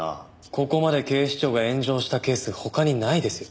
ここまで警視庁が炎上したケース他にないですよ。